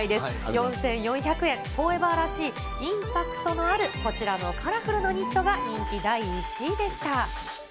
４４００円、フォーエバーらしい、インパクトのある、こちらのカラフルなニットが人気第１位でした。